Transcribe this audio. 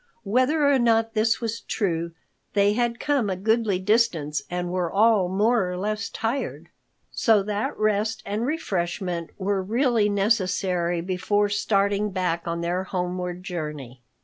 Whether or not this was true, they had come a goodly distance and were all more or less tired, so that rest and refreshment were really necessary before starting back on their homeward journey.